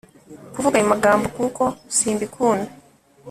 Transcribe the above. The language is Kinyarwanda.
kuvuga ayo magambo kuko simbikunda